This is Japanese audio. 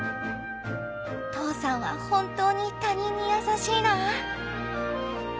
父さんは本当に他人に優しいな。